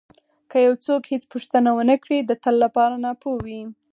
که یو څوک هېڅ پوښتنه ونه کړي د تل لپاره ناپوه وي.